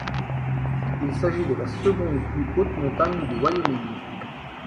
Il s'agit de la seconde plus haute montagne du Wyoming.